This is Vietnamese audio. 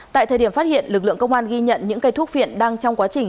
tại thời điểm phát hiện lực lượng công an ghi nhận những cây thuốc viện đang trong quá trình